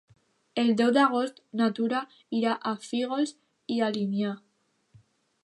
El deu d'agost na Tura irà a Fígols i Alinyà.